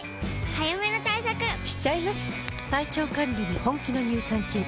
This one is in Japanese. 早めの対策しちゃいます。